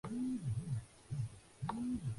محرم ہو آدھا ملک بند۔